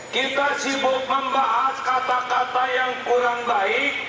kita sibuk membahas kata kata yang kurang baik